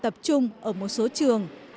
tập trung ở một số trường